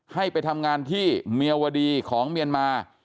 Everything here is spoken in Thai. ให้ไปทำงานที่เมียวดีของเมียนมา